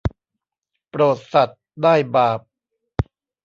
โปรดสัตว์ได้บาป